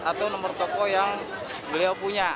atau nomor toko yang beliau punya